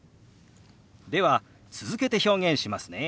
では続けて表現しますね。